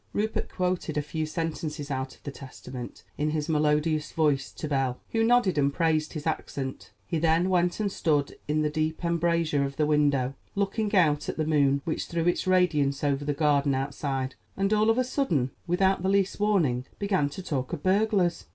Rupert quoted a few sentences out of the Testament in his melodious voice to Belle, who nodded and praised his accent. He then went and stood in the deep embrasure of the window, looked out at the moon, which threw its radiance over the garden outside, and all of a sudden, without the least warning, began to talk of burglars.